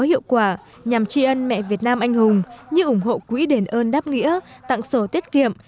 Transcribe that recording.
hiệu quả nhằm tri ân mẹ việt nam anh hùng như ủng hộ quỹ đền ơn đáp nghĩa tặng sổ tiết kiệm